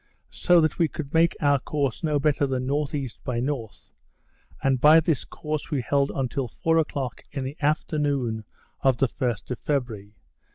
so that we could make our course no better than N.E. by N., and this course we held till four o'clock in the afternoon of the first of February.